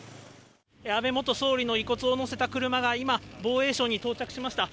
安倍元総理の遺骨を乗せた車が今、防衛省に到着しました。